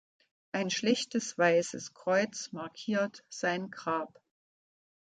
Ein schlichtes weißes Kreuz markiert sein Grab.